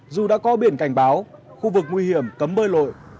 dù đã có biển cảnh báo khu vực nguy hiểm cấm bơi lội